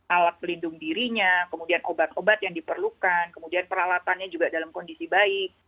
alat pelindung dirinya kemudian obat obat yang diperlukan kemudian peralatannya juga dalam kondisi baik